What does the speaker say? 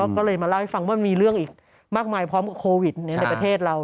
ก็เลยมาเล่าให้ฟังว่ามันมีเรื่องอีกมากมายพร้อมกับโควิดในประเทศเรา